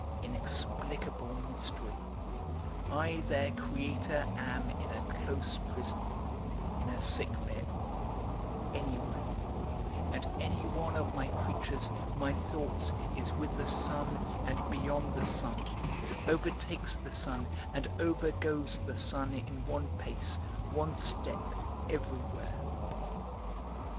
Inexplicable mystery; I their creator am in a close prison, in a sick bed, any where, and any one of my creatures, my thoughts, is with the sun, and beyond the sun, overtakes the sun, and overgoes the sun in one pace, one step, everywhere.